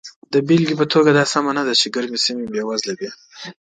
د بېلګې په توګه دا سمه نه ده چې ګرمې سیمې بېوزله وي.